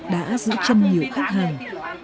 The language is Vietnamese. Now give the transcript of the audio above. đã giữ chân nhiều khách hàng